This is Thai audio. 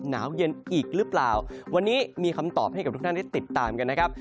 หนาวเย็นอีกหรือเปล่าวันนี้มีคำตอบให้กับทุกท่านได้ติดตามกันนะครับ